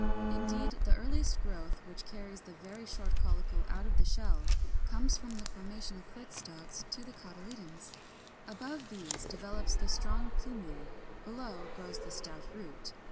Indeed, the earliest growth which carries the very short caulicle out of the shell comes from the formation of foot stalks to the cotyledons; above these develops the strong plumule, below grows the stout root.